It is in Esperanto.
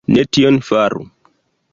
Ne tion faru.